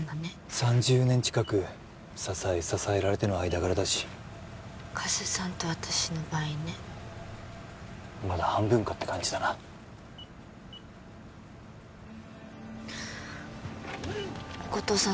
３０年近く支え支えられての間柄だし加瀬さんと私の倍ねまだ半分かって感じだな後藤さん